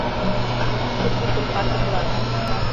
Кукшо сукыр катыклан